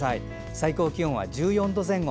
最高気温は１４度前後。